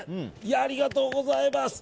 ありがとうございます！